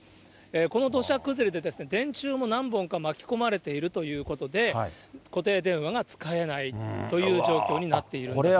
この土砂崩れで、電柱も何本か巻き込まれているということで、固定電話が使えないという状況になっているんです。